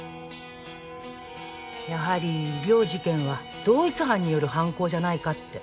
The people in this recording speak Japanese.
やはり両事件は同一犯による犯行じゃないかって。